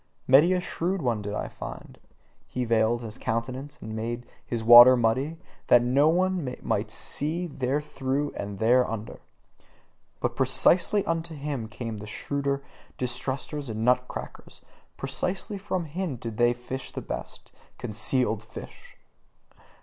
Many a shrewd one did I find: he veiled his countenance and made his water muddy, that no one might see therethrough and thereunder. But precisely unto him came the shrewder distrusters and nut crackers: precisely from him did they fish his best concealed fish!